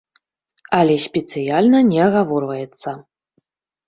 Але спецыяльна не агаворваецца.